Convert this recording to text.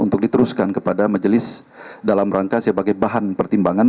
untuk diteruskan kepada majelis dalam rangka sebagai bahan pertimbangan